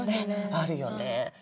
あるよね。